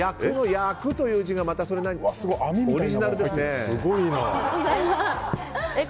焼くという字がまたそれオリジナルですね。